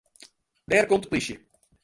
Dêr komt de plysje.